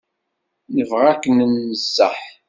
Nebɣa ad k-nenṣeḥ.